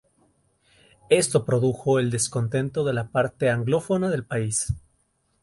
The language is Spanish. Esto produjo el descontento de la parte anglófona del país.